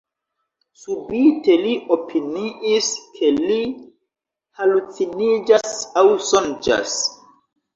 Subite li opiniis, ke li haluciniĝas aŭ sonĝas.